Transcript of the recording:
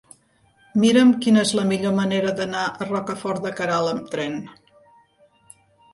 Mira'm quina és la millor manera d'anar a Rocafort de Queralt amb tren.